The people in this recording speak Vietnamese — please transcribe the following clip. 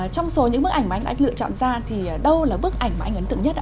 trong số những bức ảnh mà anh lựa chọn ra thì đâu là bức ảnh mà anh ấn tượng nhất ạ